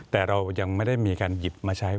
แต่เรายังไม่ได้มีการหยิบมาใช้